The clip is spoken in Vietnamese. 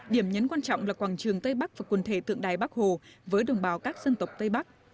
điểm nhấn quan trọng là quảng trường tây bắc và quần thể tượng đài bắc hồ với đồng bào các dân tộc tây bắc